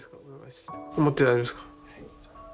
持って大丈夫ですか？